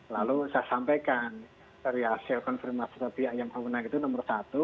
lalu saya sampaikan dari hasil konfirmasi dari ayam pembangunan itu nomor satu